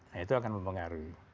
nah itu akan mempengaruhi